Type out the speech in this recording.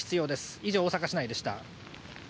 以上、大阪市内でした。